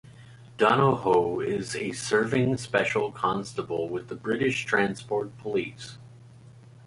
Donohoe is a serving Special Constable with the British Transport Police.